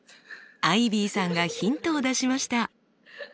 アイビーさんがヒントを出しました。